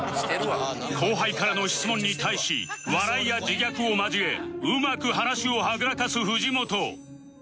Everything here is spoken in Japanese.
後輩からの質問に対し笑いや自虐を交えうまく話をはぐらかす藤本